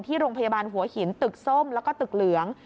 ที่โรงพยาบาลหัวหินตึกส้มแล้วก็ตึกเหลือง